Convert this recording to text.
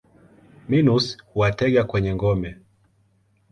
Minus huwatega kwenye ngome.